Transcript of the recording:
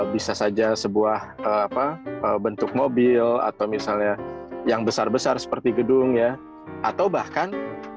bisa saja sebuah bentuk mobil atau misalnya yang besar besar seperti gedung ya atau bahkan